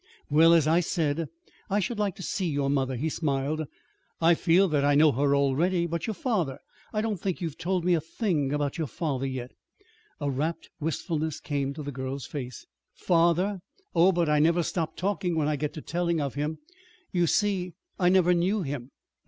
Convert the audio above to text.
"Well, as I said, I should like to see your mother," he smiled. "I feel that I know her already. But your father; I don't think you have told me a thing about your father yet." A rapt wistfulness came to the girl's face. "Father! Oh, but I never stop talking when I get to telling of him. You see, I never knew him."